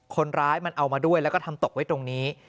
คนร้ายมันเอามาด้วยแล้วก็ทำตกไว้ตรงนี้